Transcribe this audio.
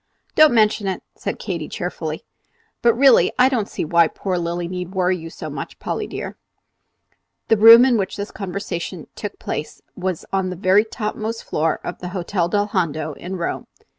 "Don't mention it," said Katy, cheerfully. "But, really, I don't see why poor Lilly need worry you so, Polly dear." The room in which this conversation took place was on the very topmost floor of the Hotel del Hondo in Rome.